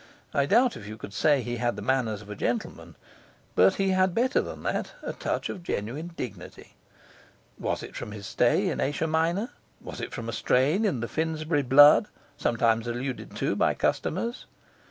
I doubt if you could say he had the manners of a gentleman; but he had better than that, a touch of genuine dignity. Was it from his stay in Asia Minor? Was it from a strain in the Finsbury blood sometimes alluded to by customers?